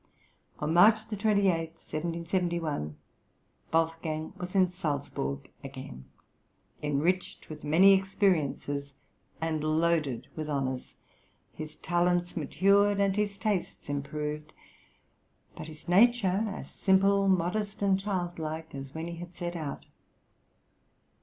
On March 28, 1771, Wolfgang was in Salzburg again, enriched with many experiences and loaded with honours, his talents matured and his tastes improved; but his nature as simple, modest, and childlike as when he had set out.